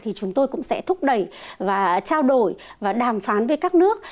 thì chúng tôi cũng sẽ thúc đẩy và trao đổi và đàm phán với các nước